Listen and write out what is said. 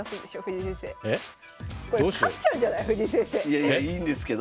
いやいやいいんですけど。